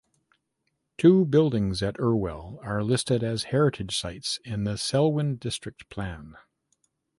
Two buildings at Irwell are listed as heritage sites in the Selwyn District Plan.